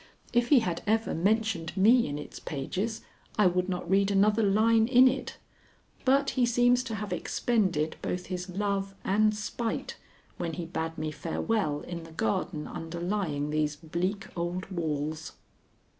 If he had ever mentioned me in its pages, I would not read another line in it, but he seems to have expended both his love and spite when he bade me farewell in the garden underlying these bleak old walls.